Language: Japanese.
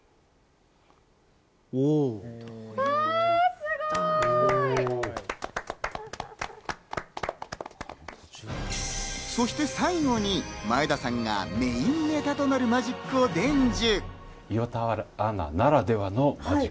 すごい！そして最後に前田さんがメインネタとなるマジックを伝授。